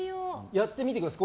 やってみてください。